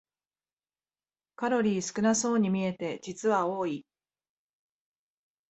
カロリー少なそうに見えて実は多い